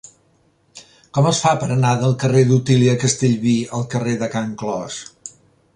Com es fa per anar del carrer d'Otília Castellví al carrer de Can Clos?